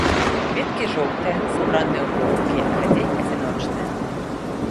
Кветкі жоўтыя, сабраныя ў гронкі, радзей адзіночныя.